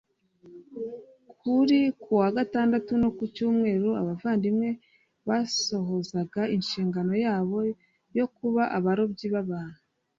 kuri kuwa gatandatu no ku cyumweru abavandimwe basohozaga inshingano yabo yo kuba abarobyi b abantu